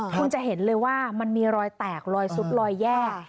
คุณจะเห็นเลยว่ามันมีรอยแตกรอยสุดลอยแยก